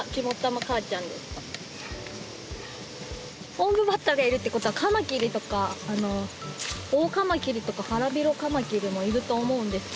オンブバッタがいるっていうことはカマキリとかオオカマキリとかハラビロカマキリもいると思うんですけど。